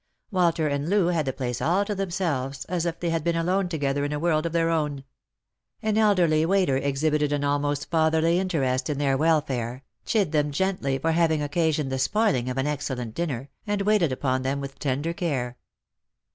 Walter and Loo had the place all to them selves, as if they had been alone together in a world of their own An elderly waiter exhibited an almost fatherly interest in their welfare, chid them gently for having occasioned the spoiling of an excellent dinner, and waited upon them with tender care.